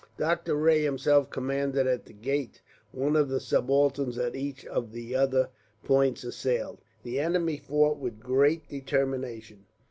Doctor Rae himself commanded at the gate; one of the subalterns at each of the other points assailed. The enemy fought with great determination.